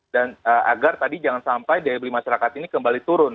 dan agar tadi jangan sampai daya beli masyarakat ini kembali turun